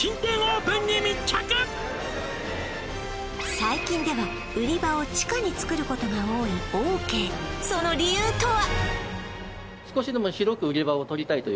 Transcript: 最近では売り場を地下に作ることが多いオーケーその理由とは？